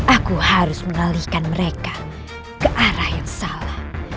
aku harus mengalihkan mereka ke arah yang salah